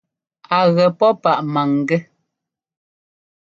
A gɛ pó páʼ máŋgɛ́.